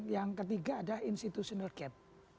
yang ketiga adalah institutional gap